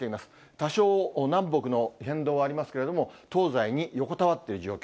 多少、南北の変動はありますけれども、東西に横たわっている状況。